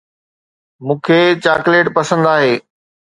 مون کي چاڪليٽ پسند آهي